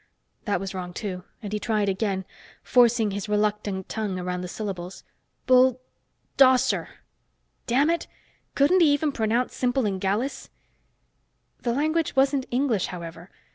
That was wrong, too, and he tried again, forcing his reluctant tongue around the syllables. "Bull dosser!" Damn it, couldn't he even pronounce simple Engaliss? The language wasn't English, however.